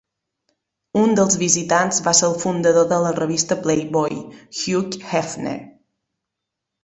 Un dels visitants va ser el fundador de la revista Playboy, Hugh Hefner.